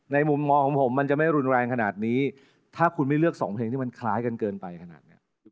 มุมมองของผมมันจะไม่รุนแรงขนาดนี้ถ้าคุณไม่เลือกสองเพลงที่มันคล้ายกันเกินไปขนาดนี้